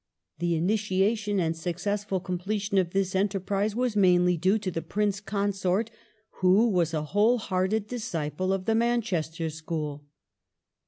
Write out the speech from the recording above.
The initiation and successful com pletion of this enterprise was mainly due to the Prince Consort, who was a whole heai ted disciple of the Manchester School.